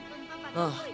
ああ。